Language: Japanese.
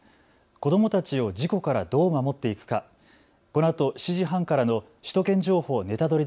子どもたちを事故からどう守っていくか、このあと７時半からの首都圏情報ネタドリ！